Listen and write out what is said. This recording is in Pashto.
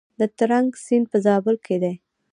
د ترنک سیند په زابل کې دی